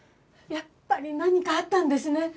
やっぱり何かあったんですね？